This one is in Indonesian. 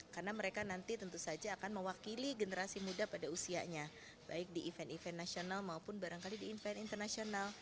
karena mereka nanti tentu saja akan mewakili generasi muda pada usianya baik di event event nasional maupun barangkali di event internasional